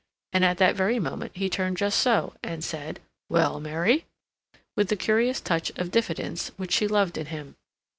And at that very moment he turned just so, and said: "Well, Mary?" with the curious touch of diffidence which she loved in him.